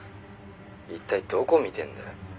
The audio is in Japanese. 「一体どこ見てんだよ」